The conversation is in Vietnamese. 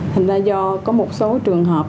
thành ra do có một số trường hợp